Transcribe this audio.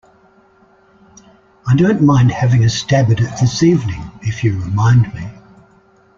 I don't mind having a stab at it this evening if you remind me.